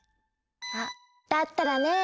あっだったらねぇ。